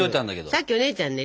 さっきお姉ちゃんね